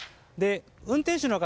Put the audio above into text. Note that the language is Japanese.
運転手の方